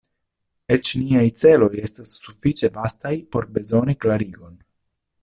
Eĉ niaj celoj estas sufiĉe vastaj por bezoni klarigon.